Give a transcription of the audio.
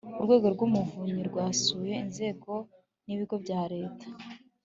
urwego rw'umuvunyi rwasuye inzego n'ibigo bya leta